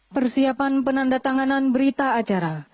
persiapan penandatanganan berita acara